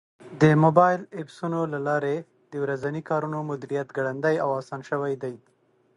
د موبایل ایپسونو له لارې د ورځني کارونو مدیریت ګړندی او اسان شوی دی.